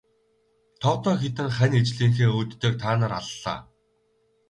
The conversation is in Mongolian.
Тоотой хэдэн хань ижлийнхээ өөдтэйг та нар аллаа.